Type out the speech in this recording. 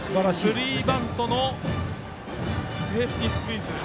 スリーバントのセーフティースクイズ。